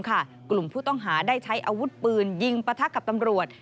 กลุ่มผู้ต้องหาได้ใช้อาวุธปืนยิงปะทะกับตำรวจ